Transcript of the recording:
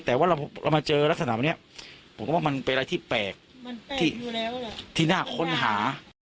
แต่ว่าเรามาเจอลักษณะแบบนี้ผมก็ว่ามันเป็นอะไรที่แปลกที่น่าค้นหา